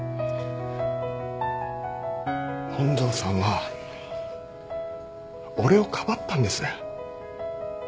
本庄さんは俺をかばったんです。